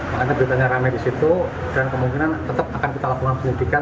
makanya beritanya rame di situ dan kemungkinan tetap akan kita lakukan penyelidikan